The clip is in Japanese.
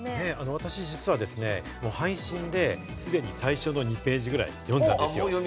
私、実は配信ですでに最初の２ページぐらい読んだんですよ。